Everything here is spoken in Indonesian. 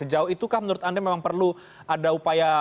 sejauh itukah menurut anda memang perlu ada upaya